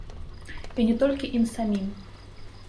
І не толькі ім самім.